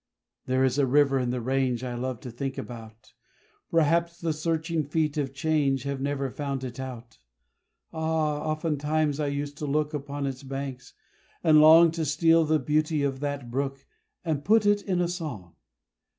There is a river in the range I love to think about; Perhaps the searching feet of change Have never found it out. Ah! oftentimes I used to look Upon its banks, and long To steal the beauty of that brook And put it in a song.